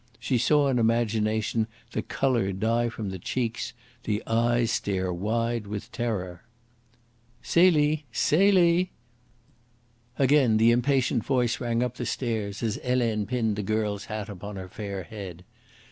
She saw in imagination the colour die from the cheeks, the eyes stare wide with terror. "Celie! Celie!" Again the impatient voice rang up the stairs, as Helene pinned the girl's hat upon her fair head.